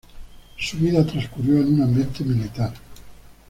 Su vida transcurrió en un ambiente militar.